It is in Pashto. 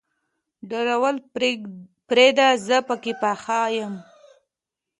ډارول پرېده زه پکې پخه يم.